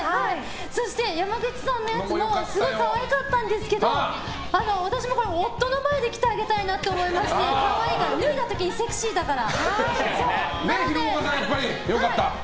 そして山口さんのやつもすごい可愛かったんですけど私の夫の前で着てあげたいなと思いまして脱いだ時にセクシーだから。